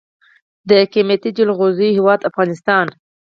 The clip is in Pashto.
د قیمتي جلغوزیو هیواد افغانستان.